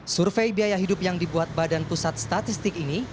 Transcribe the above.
survei biaya hidup yang dibuat badan pusat statistik ini